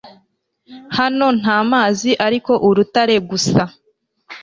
Hano nta mazi ariko urutare gusa